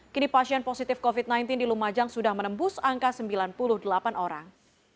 kini pasien positif covid sembilan belas di lumajang sudah menembus angka sembilan puluh delapan orang